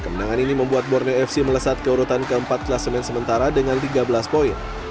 kemenangan ini membuat borneo fc melesat keurutan keempat klasemen sementara dengan tiga belas poin